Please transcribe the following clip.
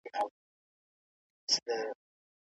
که جګړه نه وای نو موږ به عصري ژوند درلودای.